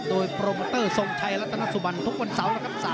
โดยโปรโมเตอร์ทรงชัยรัตนสุบันทุกวันเสาร์นะครับ